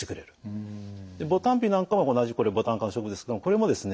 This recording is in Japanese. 牡丹皮なんかも同じこれボタン科の植物ですけどもこれもですね